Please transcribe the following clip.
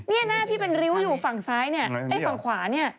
นี่หน้าพี่เป็นริ้วอยู่ฝั่งซ้ายเนี่ยไอ้ฝั่งขวาเนี่ย